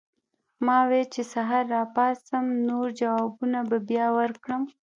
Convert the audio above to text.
ما وې چې سحر راپاسم نور جوابونه به بیا ورکړم